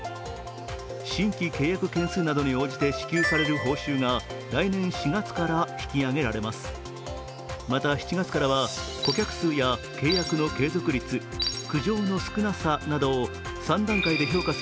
新規契約件数などに応じて支給される報酬が来年４月から引き上げられます。